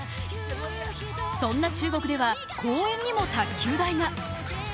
そんな中国では公園にも卓球台が。